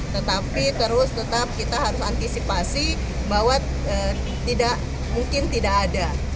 tetapi terus tetap kita harus antisipasi bahwa mungkin tidak ada